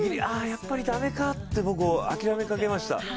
やっぱり駄目かと僕、諦めかけました。